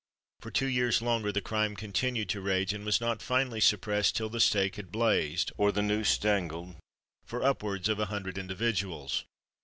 For two years longer the crime continued to rage, and was not finally suppressed till the stake had blazed, or the noose dangled, for upwards of a hundred individuals.